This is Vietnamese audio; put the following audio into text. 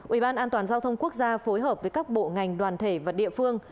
ủy ban an toàn giao thông quốc gia phối hợp với các bộ ngành đoàn thể và địa phương